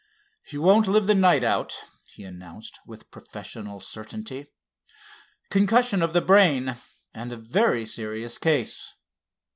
"He won't live the night out," he announced with professional certainty. "Concussion of the brain, and a very serious case."